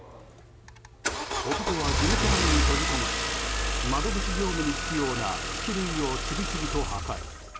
男は事務所内に閉じこもり窓口業務に必要な機器類を次々と破壊。